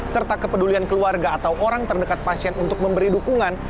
serta kepedulian keluarga atau orang terdekat pasien untuk memberi dukungan